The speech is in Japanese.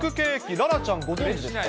楽々ちゃん、ご存じですか？